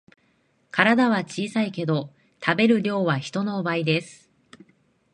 体は小さいけど食べる量は人の倍です